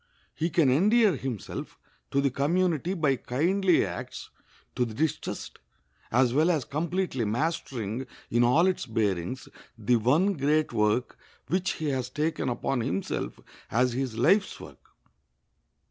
He can endear himself to the community by kindly acts to the distressed, as well as completely mastering, in all its bearings, the one great work which he has taken upon himself as his life's work.